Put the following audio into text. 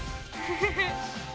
フフフフ。